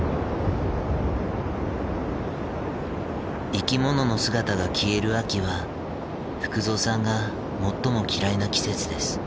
生き物の姿が消える秋は福蔵さんが最も嫌いな季節です。